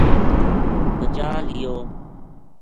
بچا لیو